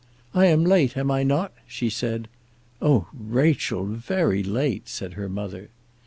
"I am late; am I not?" she said. "Oh, Rachel, very late!" said her mother.